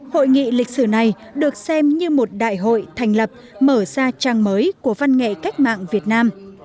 hội nghị lịch sử này được xem như một đại hội thành lập mở ra trang mới của văn nghệ cách mạng việt nam